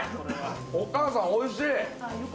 お母さん、おいしい。